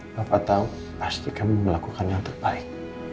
bapak tahu pasti kamu melakukan yang terbaik